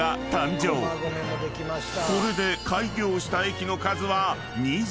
［これで開業した駅の数は］